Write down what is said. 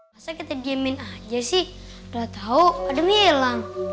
masa kita diemin aja sih udah tau adamnya ilang